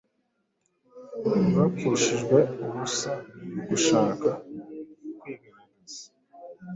ryapfushijwe ubusa mu gushaka kwigaragaza,